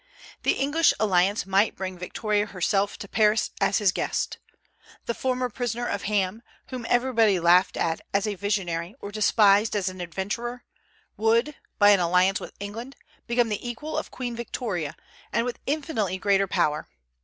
The English alliance might bring Victoria herself to Paris as his guest. The former prisoner of Ham, whom everybody laughed at as a visionary or despised as an adventurer, would, by an alliance with England, become the equal of Queen Victoria, and with infinitely greater power.